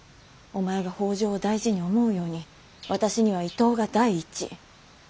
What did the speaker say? お前が北条を大事に思うように私には伊東が第一。